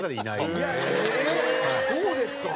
そうですか？